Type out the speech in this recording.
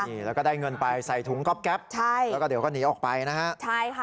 นี่แล้วก็ได้เงินไปใส่ถุงก๊อบแป๊บใช่แล้วก็เดี๋ยวก็หนีออกไปนะฮะใช่ค่ะ